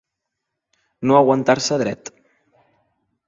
No aguantar-se dret.